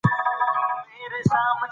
وچه ډوډۍ کنګل کېدای شي.